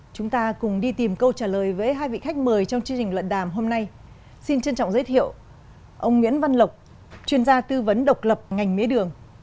chúng ta cùng đi tìm câu trả lời với hai vị khách mời trong chương trình luận đàm hôm nay xin trân trọng giới thiệu ông nguyễn văn lộc chuyên gia tư vấn độc lập ngành mía đường